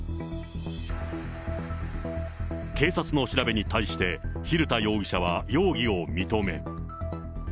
警察の調べに対して、蛭田容疑者は容疑を認め。